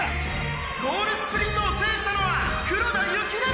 「ゴールスプリントを制したのは黒田雪成！！